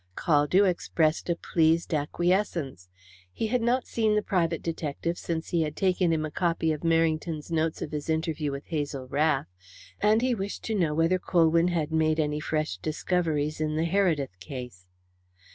Caldew expressed a pleased acquiescence. He had not seen the private detective since he had taken him a copy of Merrington's notes of his interview with Hazel Rath, and he wished to know whether Colwyn had made any fresh discoveries in the Heredith case.